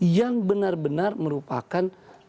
yang benar benar merupakan